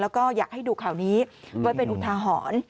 แล้วก็อยากให้ดูข่าวนี้ไว้เป็นอุทาหรณ์